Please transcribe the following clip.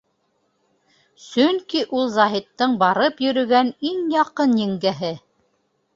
Сөнки ул Заһиттың барып йөрөгән иң яҡын еңгәһе.